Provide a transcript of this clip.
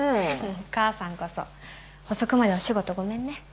お母さんこそ遅くまでお仕事ごめんね